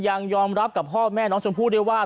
ยังยอมรับกับพ่อแม่น้องชมพู่ด้วยว่า